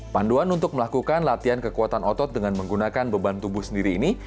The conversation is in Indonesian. panduan untuk melakukan latihan kekuatan otot dengan menggunakan beban tubuh sendiri ini